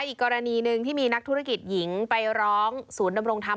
อีกกรณีหนึ่งที่มีนักธุรกิจหญิงไปร้องศูนย์ดำรงธรรม